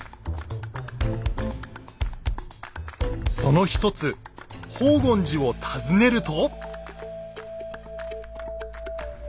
その一つ宝厳寺を訪ねると。